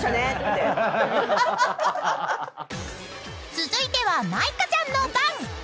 ［続いては舞香ちゃんの番］